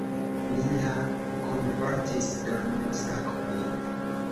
Ni ja kunportis dormosakojn.